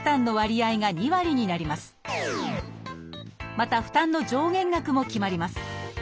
また負担の上限額も決まります。